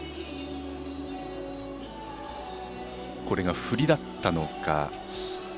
これが振りだったのか。